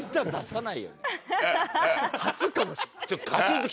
初かもしれない。